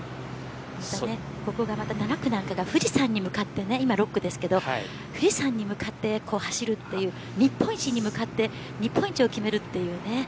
ここが７区は富士山に向かって今６区ですが富士山に向かって走るという日本一に向かって日本一を決めるというね。